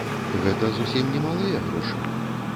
Гэта зусім немалыя грошы.